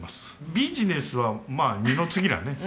ビジネスはまあ二の次だね。